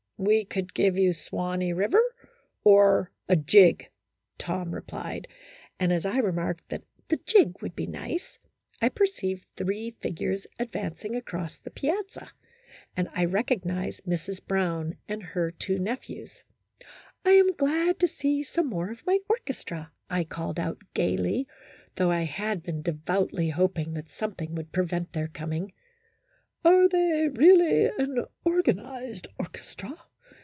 " We can give you ' Swanee River,' or a jig," Tom replied, and as I remarked that the jig would be nice, I perceived three figures advancing across the piazza, and I recognized Mrs. Brown and her two nephews. " I am glad to see some more of my orchestra," I called out, gaily, though I had been devoutly hoping that something would prevent their coming. " Are they really an organized orchestra